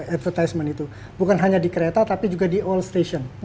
advertisment itu bukan hanya di kereta tapi juga di all station